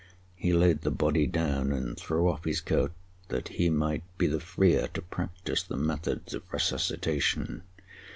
He laid the body down and threw off his coat that he might be the freer to practise the methods of resuscitation.